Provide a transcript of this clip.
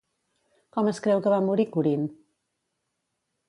Com es creu que va morir Corint?